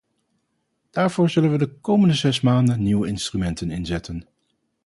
Daarvoor zullen we de komende zes maanden nieuwe instrumenten inzetten.